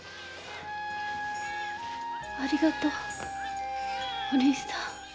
ありがとうお凛さん。